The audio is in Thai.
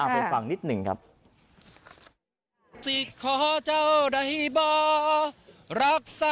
ไปฟังนิดหนึ่งครับ